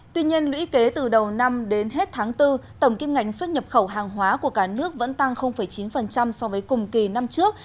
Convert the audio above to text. tuy nhiên lũy kế từ đầu năm đến hết tháng bốn tổng kim ngành xuất nhập khẩu hàng hóa của cả nước vẫn tăng chín so với cùng kỳ năm trước